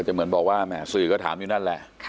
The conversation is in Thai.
เหมือนบอกว่าแหมสื่อก็ถามอยู่นั่นแหละ